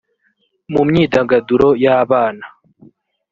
mu myidagaduro y abana